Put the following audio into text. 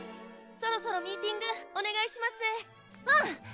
そろそろミーティングおねがいしますうん！